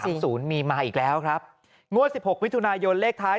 ศูนย์มีมาอีกแล้วครับงวดสิบหกมิถุนายนเลขท้าย